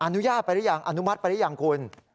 อนุญาตไปหรือยังอนุมัติไปหรือยังคุณ